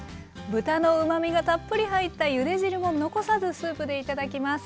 豚のうまみがたっぷり入ったゆで汁も残さずスープで頂きます。